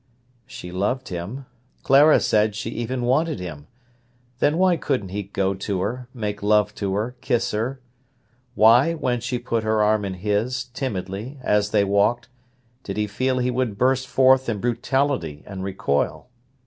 She loved him. Clara said she even wanted him; then why couldn't he go to her, make love to her, kiss her? Why, when she put her arm in his, timidly, as they walked, did he feel he would burst forth in brutality and recoil?